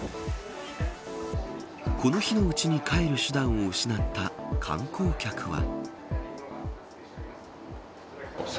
この日のうちに帰る手段を失った観光客は。